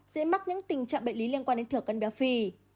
dễ mắc những tình trạng bệnh lý liên quan đến thừa cân béo phì